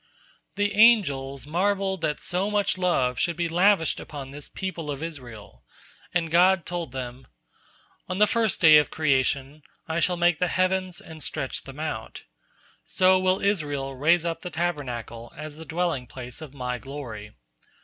The angels marvelled that so much love should be lavished upon this people of Israel, and God told them: "On the first day of creation, I shall make the heavens and stretch them out; so will Israel raise up the Tabernacle as the dwelling place of My glory.